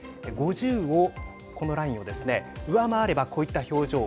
５０をこのラインをですね上回れば、こういった表情。